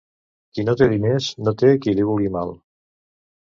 Qui no té diners, no té qui li vulgui mal.